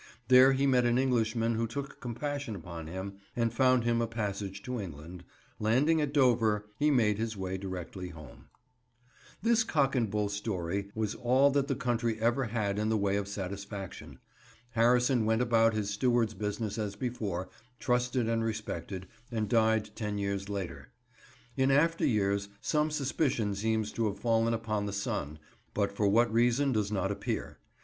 There he met an Englishman who took compassion upon him and found him a passage to England. Landing at Dover, he made his way directly home. [Picture: Brass to William Grevel and Wife, Chipping Campden] This cock and bull story was all that the country ever had in the way of satisfaction. Harrison went about his steward's business as before, trusted and respected, and died ten years later. In after years some suspicion seems to have fallen upon the son, but for what reason does not appear.